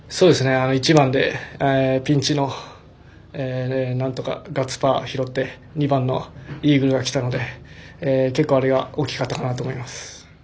１番でピンチでなんとかガッツパー拾って２番のイーグルがきたので結構、あれは大きかったかなと思います。